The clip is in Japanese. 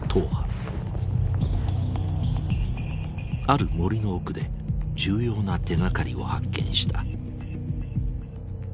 ある森の奥で重要な手がかりを発見した。